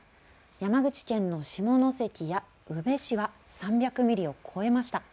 山口県の下関や宇部市は３００ミリを超えました。